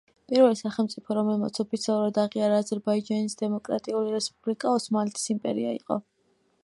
პირველი სახელმწიფო, რომელმაც ოფიციალურად აღიარა აზერბაიჯანის დემოკრატიული რესპუბლიკა ოსმალეთის იმპერია იყო.